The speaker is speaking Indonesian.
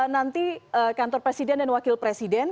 nanti kantor presiden dan wakil presiden